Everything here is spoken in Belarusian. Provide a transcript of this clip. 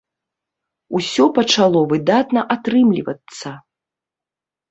Усё пачало выдатна атрымлівацца.